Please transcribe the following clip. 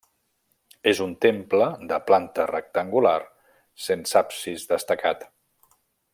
És un temple de planta rectangular, sense absis destacat.